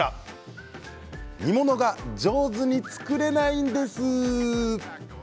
煮物が上手に作れないんです。